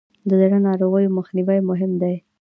د زړه ناروغیو مخنیوی مهم دی.